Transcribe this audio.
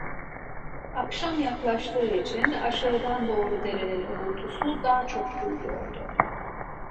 Akşam yaklaştığı için aşağıdan doğru derenin uğultusu daha çok duyuluyordu.